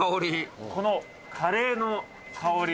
このカレーの香り。